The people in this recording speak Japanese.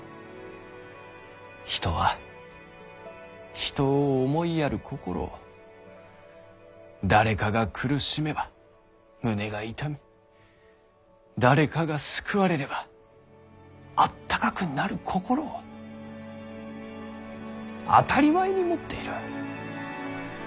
人は人を思いやる心を誰かが苦しめば胸が痛み誰かが救われればあったかくなる心を当たり前に持っている。